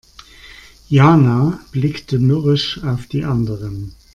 Jana blickte mürrisch auf die anderen.